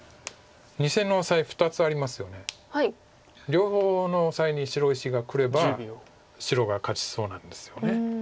両方のオサエに白石がくれば白が勝ちそうなんですよね。